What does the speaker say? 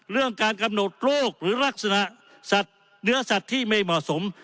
เรื่องการกำหนดโรคหรือลักษณะสัตว์เนื้อสัตว์ที่ไม่เหมาะสม